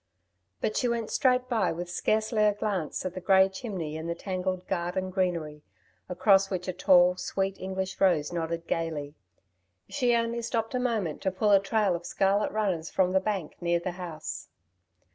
But she went straight by with scarcely a glance at the grey chimney and the tangled garden greenery, across which a tall, sweet English rose nodded gaily. She only stopped a moment to pull a trail of scarlet runners from the bank near the house.